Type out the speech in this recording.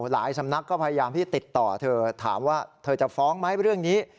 สำนักก็พยายามที่ติดต่อเธอถามว่าเธอจะฟ้องไหมเรื่องนี้